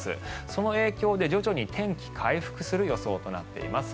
その影響で徐々に天気が回復する予想となっています。